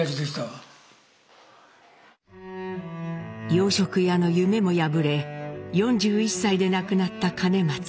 洋食屋の夢も破れ４１歳で亡くなった兼松。